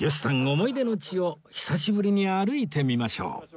思い出の地を久しぶりに歩いてみましょう